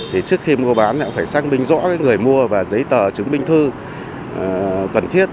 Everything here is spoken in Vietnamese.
thì trước khi mua bán phải xác minh rõ người mua và giấy tờ chứng minh thư cần thiết